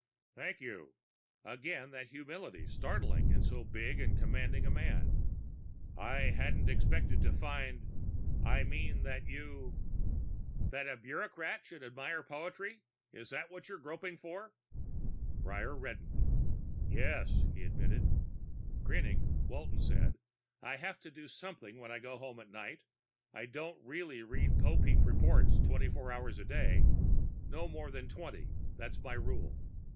"Thank you." Again that humility, startling in so big and commanding a man. "I hadn't expected to find I mean that you " "That a bureaucrat should admire poetry? Is that what you're groping for?" Prior reddened. "Yes," he admitted. Grinning, Walton said, "I have to do something when I go home at night. I don't really read Popeek reports twenty four hours a day. No more than twenty; that's my rule.